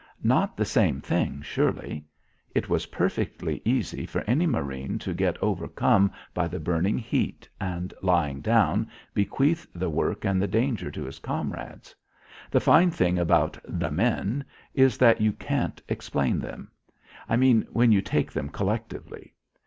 Not the same thing surely. It was perfectly easy for any marine to get overcome by the burning heat and, lying down, bequeath the work and the danger to his comrades. The fine thing about "the men" is that you can't explain them. I mean when you take them collectively.